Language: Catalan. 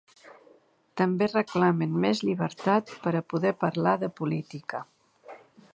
També reclamen més llibertat per a poder parlar de política.